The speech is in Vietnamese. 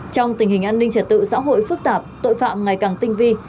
trong tình hình an ninh chất tử xã hội phức tạp tội phạm ngày càng tinh vi